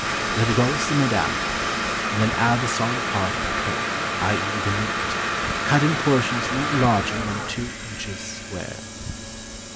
Let it all simmer down, and then add the solid part of the curry, i.e. the meat, cut in portions not larger than two inches square.